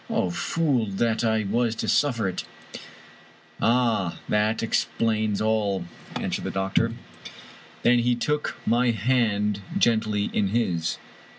Oh, fool that I was to suffer it !"" Ah ! that explains all," answered the doctor. Then he took my hand gently in his.